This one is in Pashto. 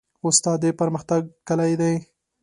استاد د پرمختګ کلۍ ده.